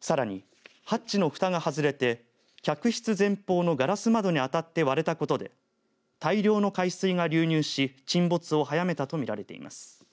さらに、ハッチのふたが外れて客室前方のガラス窓に当たって割れたことで大量の海水が流入し沈没を早めたと見られています。